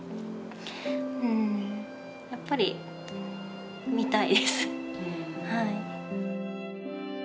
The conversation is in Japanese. うんやっぱり診たいです。